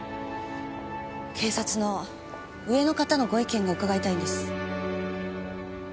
警察の上の方のご意見を伺いたいんです。